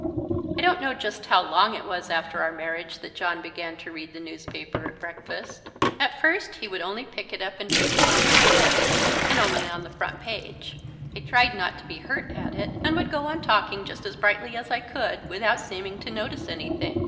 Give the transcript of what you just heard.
I don't know just how long it was after our marriage that John began to read the newspaper at breakfast. At first he would only pick it up and read it in little bits, and only on the front page. I tried not to be hurt at it, and would go on talking just as brightly as I could, without seeming to notice anything.